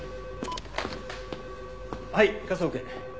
はい科捜研。